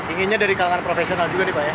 inginnya dari kawasan profesional juga ya pak ya